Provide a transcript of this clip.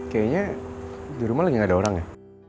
kayaknya di rumah lagi gak ada orang ya